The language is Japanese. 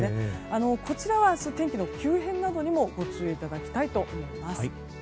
こちらは明日、天気の急変にもご注意いただきたいと思います。